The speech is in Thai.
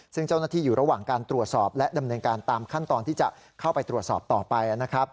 ซึ่งเจ้าหน้าที่อยู่ระหว่างการตรวจสอบและดำเนินการตามขั้นตอนที่จะเข้าไปตรวจสอบต่อไปนะครับ